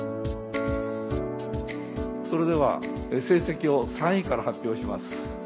それでは成績を３位から発表します。